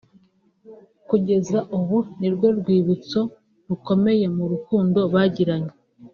kugeza ubu ni rwo rwibutso rukomeye mu rukundo bagiranye